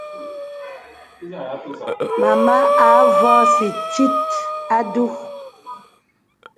Màma à avɔ̄sì tit a du.